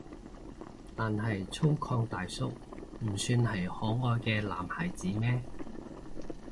但係粗獷大叔唔算係可愛嘅男孩子咩？